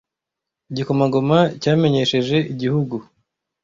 Igikomangoma cyamenyesheje igihugu